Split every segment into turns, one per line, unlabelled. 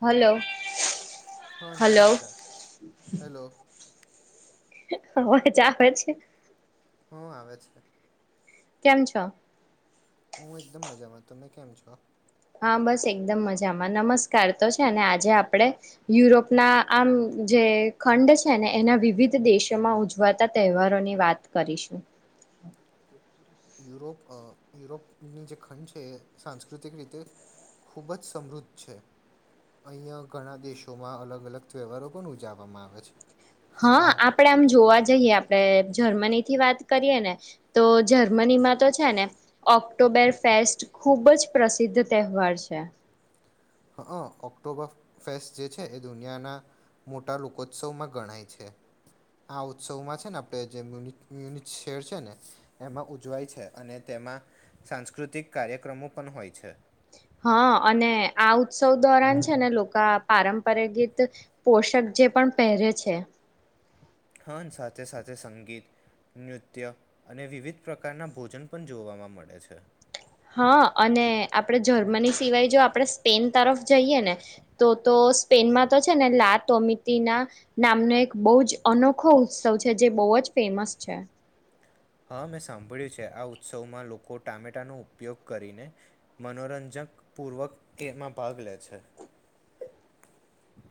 Hello
હા
hello
નમસ્કાર hello
અવાજ આવે છે?
હા આવે છે
કેમ છો
હું એકદમ મજામાં તમે કેમ છો
હા બસ એકદમ મજામાં નમસ્કાર તો છે ને આજે આપણે યુરોપના આમ જે ખંડ છે ને એના વિવિધ દેશોમાં ઉજવાતા તહેવારોની વાત કરીશું
યુરોપ યુરોપની જે ખંડ છે એ સાંસ્કૃતિક રીતે ખૂબ જ સમૃદ્ધ છે અહીંયા ઘણા દેશોમાં અલગ અલગ તહેવારો પણ ઉજવવામાં આવે છે
હા આપણેે આમ જોવા જઈએ આપણેે જર્મની થી વાત કરીએ ને તો જર્મનીમાં તો છે ને ઓક્ટોબર ફેસ્ટ ખૂબ જ પ્રસિદ્ધ તહેવાર છે
હ ઓક્ટોબર ફેસ્ટ જે છે એ દુનિયાના મોટા લોકોત્સવમાં ગણાય છે આ ઉત્સવમાં છે ને આપણે જે મુન મ્યુનિ શેર છે ને એમાં ઉજવાય છે અને તેમાં સાંસ્કૃતિક કાર્યક્રમો પણ હોય છે
હા અને આ ઉત્સવ દોરાન છે ને લોકો પારંપર ગીત પોષક જે પણ પહેરે છે
હા સાથે સાથે સંગીત નૃત્ય અને વિવિધ પ્રકારના ભોજન પણ જોવાવામાં મળે છે
હા અને આપણે જર્મની સિવાય જો આપણે સ્પેન તરફ જઈએ ને તો તો સ્પેનમાં તો છે ને લા તોમિતના નામનો એક બહુ જ અનોખો ઉત્સવ છે જે બહુ જ ફેમસ છે
હા મેં સાંભળ્યું છે આ ઉત્સવમાં લોકો ટામેટાનો ઉપયોગ કરીને મનોરંજક પૂર્વકમાં ભાગ લે છે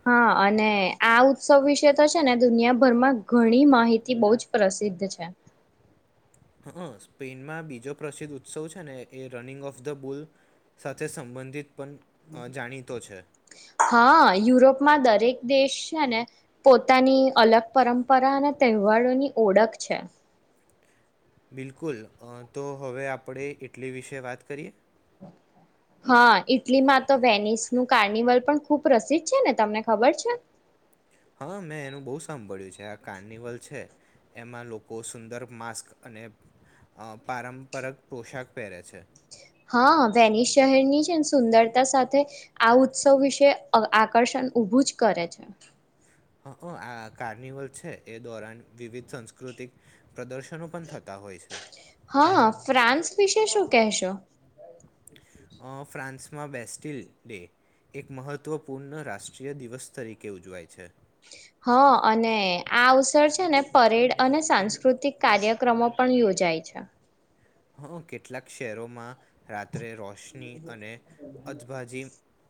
હા અને આ ઉત્સવ વિશે તો છે ને દુનિયાભરમાં ઘણી માહિતી બહુ જ પ્રસિદ્ધ છે
હ સ્પેનમાં બીજો પ્રસિદ્ધ ઉત્સવ છે ને એ રનિંગ ઓફ ધ બુલ સાથે સંબંધિત પણ જાણીતો છે
હા યુરોપમાં દરેક દેશ છે ને પોતાની અલગ પરંપરા અને તહેવારોની ઓળખ છે
બિલકુલ તો હવે આપણે ઈટલી વિશે વાત કરીએ
હા ઈટલીમાં તો વેનિસ નું કાર્નિવલ પણ ખુબ પ્રસિદ્ધ છે ને તમને ખબર છે
હા મેં એનું બહુ સાંભળ્યું છે આ કાર્નિવલ છે એમાં લોકો સુંદર માસ્ક અને પારંપરિક પોશાક પહેરે છે
હા વેનિસ શહેરની છે સુંદરતા સાથે આ ઉત્સવ વિશે આકર્ષણ ઊભું જ કરે છે
હ આ કાર્નિવલ છે એ દોરન વિવિધ સંસ્કૃતિક પ્રદર્શનો પણ થતા હોય છે
હા ફ્રાન્સ વિશે શું કહેશો
અ ફ્રાન્સ દેશમાં બેસ્ટિલ ડે એક મહત્વપૂર્ણ રાષ્ટ્રીય દિવસ તરીકે ઉજવાય છે
હા અને આ અવસર છે ને પરેડ અને સાંસ્કૃતિક કાર્યક્રમો પણ યોજાય છે
હ કેટલાક શહેરોમાં રાત્રે રોશની અને અથંભાજી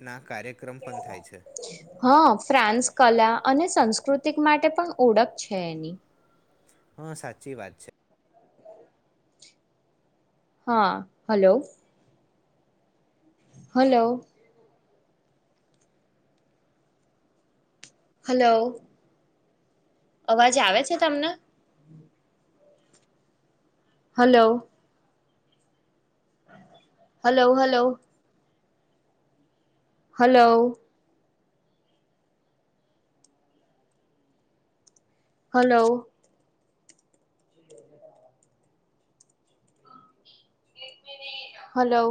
ના કાર્ય ક્રમ પણ થાય છે
હા ફ્રાન્સ કલા અને સંસ્કૃતી માટે પણ ઓળખ છે એની
હા સાચી વાત છે
હા હલો હલો હલો અવાજ આવે છે તમને hello hello hello હલોલો hello hello